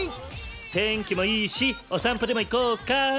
天気もいいしお散歩でも行こうか。